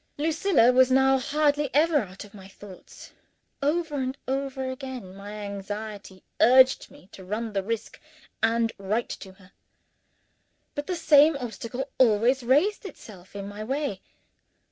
Lucilla was now hardly ever out of my thoughts. Over and over again, my anxiety urged me to run the risk, and write to her. But the same obstacle always raised itself in my way.